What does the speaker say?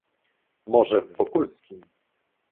"może w Wokulskim?..."